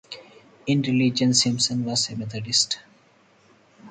In religion, Simpson was a Methodist.